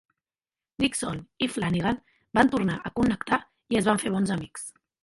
Dixon i Flanigan van tornar a connectar i es van fer bons amics.